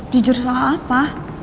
jujur sama apa